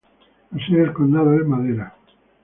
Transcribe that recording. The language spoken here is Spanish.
La sede del condado es Madera.